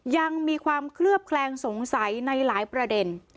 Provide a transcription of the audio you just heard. ยังมีความเคลือบแคลงสงสัยในหลายประเด็น